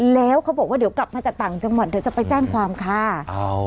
แล้วเขาบอกว่าเดี๋ยวกลับมาจากต่างจังหวัดเดี๋ยวจะไปแจ้งความค่ะ